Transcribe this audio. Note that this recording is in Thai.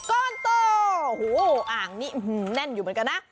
ก้อนโตโอ้โหอ่างนี้แน่นอยู่เหมือนกันนะ